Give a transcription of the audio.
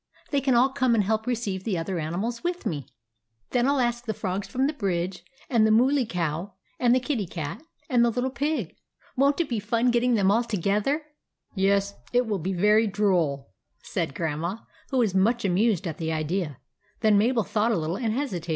They can all come and help receive the other animals with me. Then I '11 ask the Frogs from the bridge, and the Mooly Cow, and the Kitty Cat, and the Little Pig. Won't it be fun getting them all together !"" Yes, it will be very droll," said Grandma, who was much amused at the idea. Then Mabel thought a little and hesitated.